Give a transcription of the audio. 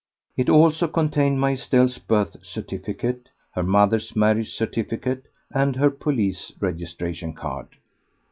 It also contained my Estelle's birth certificate, her mother's marriage certificate, and her police registration card.